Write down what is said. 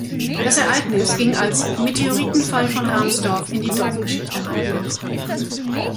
Das Ereignis ging als "Meteoritenfall von Ramsdorf" in die Dorfgeschichte ein.